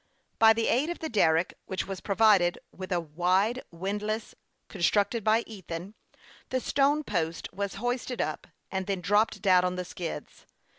By the aid of the derrick, which was provided with a rude windlass, constructed by Ethan, the stone post was hoisted up, and then dropped down on the skids.